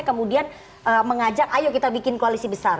kemudian mengajak ayo kita bikin koalisi besar